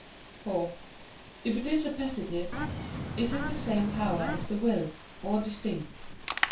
(4) If it is appetitive, is it the same power as the will, or distinct?